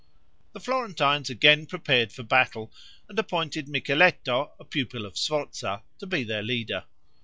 The Florentines again prepared for battle, and appointed Micheletto, a pupil of Sforza, to be their leader.